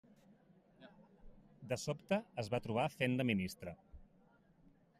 De sobte es va trobar fent de ministre.